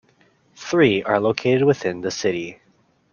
Three are located within the city.